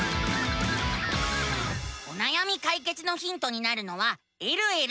おなやみ解決のヒントになるのは「えるえる」。